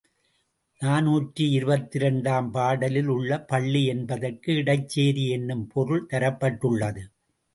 நாநூற்று இருபத்திரண்டு ஆம் பாடலில் உள்ள பள்ளி என்பதற்கு இடைச்சேரி என்னும் பொருள் தரப்பட்டுள்ளது.